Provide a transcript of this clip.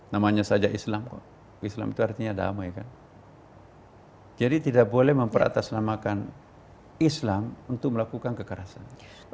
namanya saja islam kok islam itu artinya damai kan jadi tidak boleh memperatasnamakan islam untuk melakukan kekerasan